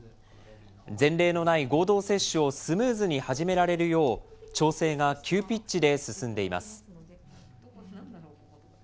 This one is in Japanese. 前例のない合同接種をスムーズに始められるよう、調整が急ピッチで進んでいます。